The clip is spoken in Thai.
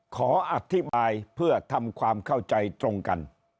ขออธิบายเพื่อทำความเข้าใจตรงกัน